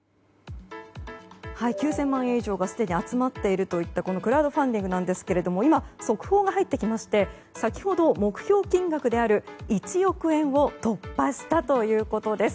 ９０００万円以上がすでに集まっているというクラウドファンディングですが今、速報が入ってきまして先ほど目標金額である１億円を突破したということです。